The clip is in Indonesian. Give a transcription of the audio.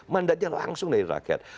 mandatnya langsung dari rakyat